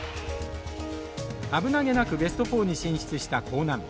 危なげなくベスト４に進出した興南。